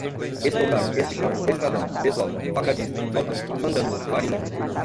estourar, esticar, estradão, desova, facadista, falcão, fandango, farinha